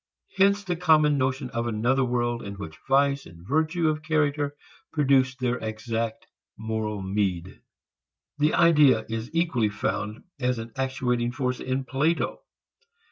Hence the common notion of another world in which vice and virtue of character produce their exact moral meed. The idea is equally found as an actuating force in Plato.